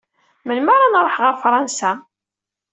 Melmi ara nruḥ ɣer Fransa.